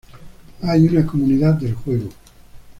Hay una comunidad del juego.